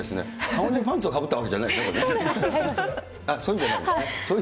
顔にパンツをはくってわけじゃないですね、これ。